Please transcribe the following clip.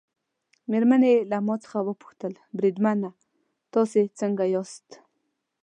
مېرمنې یې له ما څخه وپوښتل: بریدمنه تاسي څنګه یاست؟